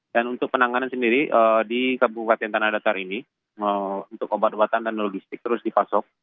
dan untuk penanganan sendiri di kabupaten tanah datar ini untuk obat obatan dan logistik terus dipasok